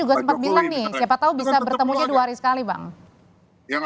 karena pak jokowi juga sempat bilang nih